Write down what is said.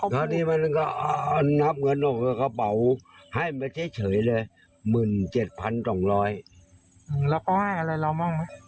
แล้วเขาให้อะไรลองมองไหม